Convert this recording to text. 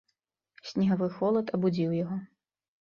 Снегавы холад абудзіў яго.